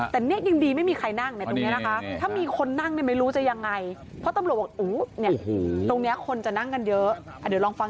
แต่นี่จริงไม่มีใครนั่ง